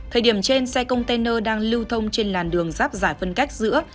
thời điểm trên xe container đang lưu thông trên làn đường giáp giải phân cách giữa